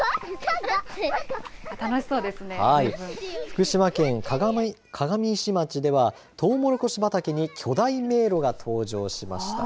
福島県鏡石町ではトウモロコシ畑に巨大迷路が登場しました。